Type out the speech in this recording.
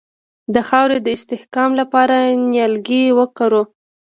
د خاورې د استحکام لپاره نیالګي وکرو.